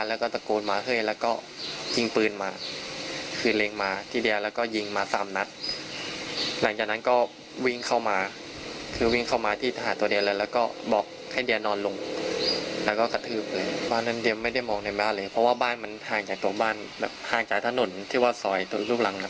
เพราะว่าบ้านมันห่างจากตัวบ้านห่างจากถนนที่ว่าซอยตรงรูปหลัง